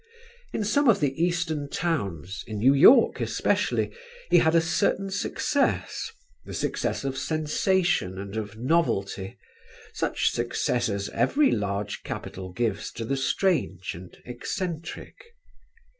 In some of the Eastern towns, in New York especially, he had a certain success, the success of sensation and of novelty, such success as every large capital gives to the strange and eccentric.